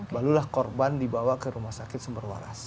barulah korban dibawa ke rumah sakit semerwaras